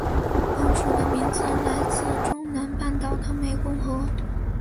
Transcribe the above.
本属的名称来自中南半岛的湄公河。